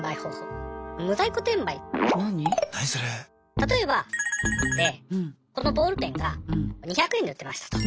例えばでこのボールペンが２００円で売ってましたと。